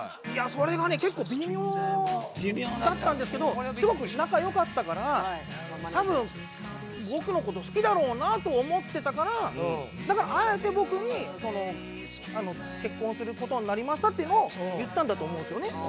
それがね結構微妙だったんですけどすごく仲良かったから多分僕の事好きだろうなと思ってたからだからあえて僕に「結婚する事になりました」っていうのを言ったんだと思うんですよね。